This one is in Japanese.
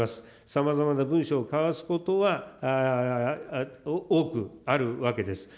さまざまな文書を交わすことは多くあるわけです。